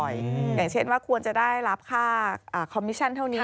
อย่างเช่นว่าควรจะได้รับค่าคอมมิชั่นเท่านี้